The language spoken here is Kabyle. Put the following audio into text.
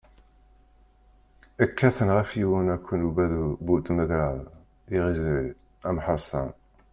Kkaten ɣef yiwen akken udabu bu-tmegraḍ, iriẓri, amhersan.